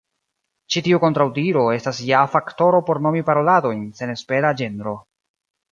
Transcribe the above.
Ĉi tiu kontraŭdiro estas ja faktoro por nomi paroladojn senespera ĝenro.